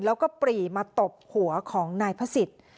แล้วก็ปรีมาตบหัวของนายพระศิษย์